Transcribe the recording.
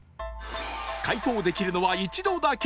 解答できるのは一度だけ！